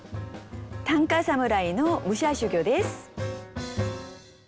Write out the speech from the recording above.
短歌侍の武者修行です。